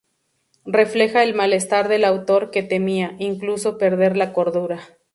Refleja el malestar del autor que temía, incluso, perder la cordura.